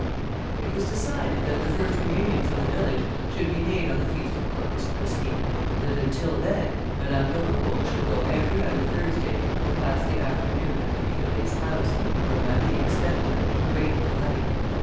It was decided that the first communions of the village should be made on the feast of Corpus Christi, and that until then, Madame d'Aubecourt should go every other Thursday to pass the afternoon at the Curé's house, where Marie expected them with great delight.